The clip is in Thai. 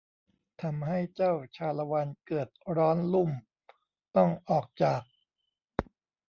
ทำให้เจัาชาละวันเกิดร้อนลุ่มต้องออกจาก